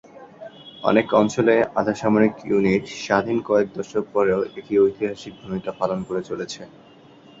অনেক অঞ্চলে আধাসামরিক ইউনিট স্বাধীনতার কয়েক দশক পরও একই ঐতিহাসিক ভূমিকা পালন করে চলেছে।